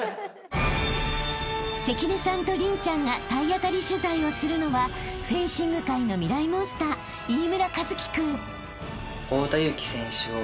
［関根さんと麟ちゃんが体当たり取材をするのはフェンシング界のミライ☆モンスター飯村一輝君］